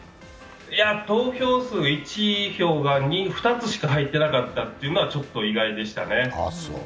投票数１位票が２つしか入ってなかったのは意外でしたね。